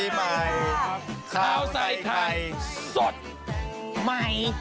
ไม่เยอะ